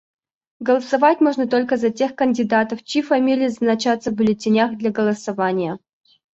Голосовать можно только за тех кандидатов, чьи фамилии значатся в бюллетенях для голосования.